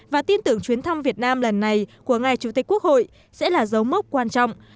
và tin tưởng chuyến thăm việt nam lần này của ngài chủ tịch quốc hội sẽ là dấu mốc quan trọng